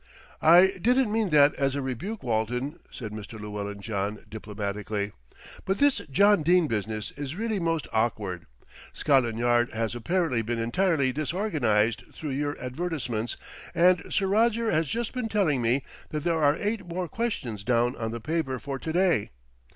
"I didn't mean that as a rebuke, Walton," said Mr. Llewellyn John diplomatically. "But this John Dene business is really most awkward. Scotland Yard has apparently been entirely disorganised through your advertisements, and Sir Roger has just been telling me that there are eight more questions down on the paper for to day.